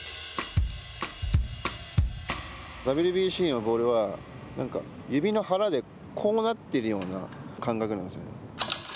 ＷＢＣのボールはなんか指のはらでこうなっているような感覚なんですよ。